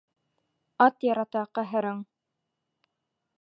Ат ярата, ҡәһәрең.